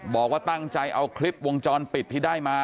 บอกว่าตั้งใจเอาคลิปวงจรปิดที่ได้มา